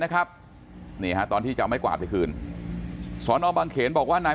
นะครับนี่ฮะตอนที่จะเอาไม้กวาดไปคืนสอนอบางเขนบอกว่านาย